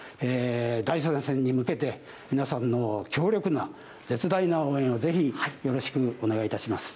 第３戦に向けて、皆さんの強力な、絶大な応援をぜひよろしくお願いいたします。